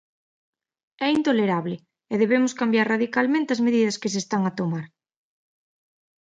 É intolerable e debemos cambiar radicalmente as medidas que se están a tomar.